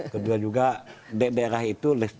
kedua juga daerah itu